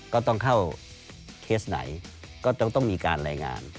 ก็ต้องเข้าเคสไหนก็ต้องมีการรายงาน